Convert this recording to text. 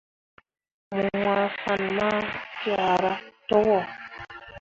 Mo wãã fan ma kiahra towo.